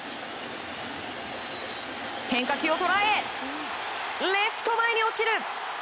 変化球を捉えレフト前に落ちる！